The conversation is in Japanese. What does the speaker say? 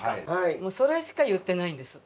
もうそれしか言ってないんです。